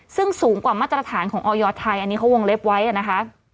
ซึ่งสูงกว่ามาตรฐานของออยไทยอันนี้เขาวงเล็บไว้นะคะ